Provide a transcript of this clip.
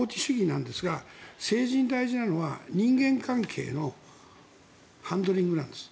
基本は法治主義なんですが政治に大事なのは人間関係のハンドリングなんです。